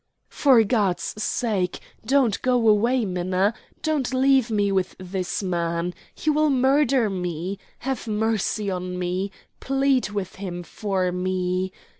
"For God's sake, don't go away, Minna. Don't leave me with this man. He will murder me. Have mercy on me. Plead with him for me.